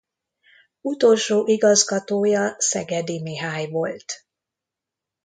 Utolsó igazgatója Szegedi Mihály volt.